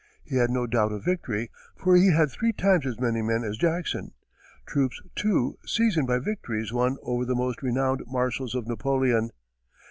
He had no doubt of victory, for he had three times as many men as Jackson; troops, too, seasoned by victories won over the most renowned marshals of Napoleon.